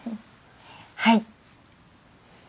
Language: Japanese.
はい。